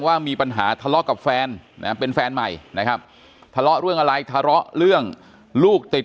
ว่ามีปัญหาทะเลาะกับแฟนนะเป็นแฟนใหม่นะครับทะเลาะเรื่องอะไรทะเลาะเรื่องลูกติด